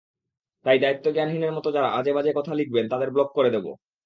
তাই দায়িত্বজ্ঞানহীনের মতো যাঁরা আজেবাজে কথা লিখবেন, তাঁদের ব্লক করে দেব।